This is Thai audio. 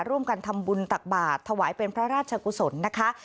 ร่วมกันทำบุญตักบาทถวายเป็นพระราชกุศลนะคะ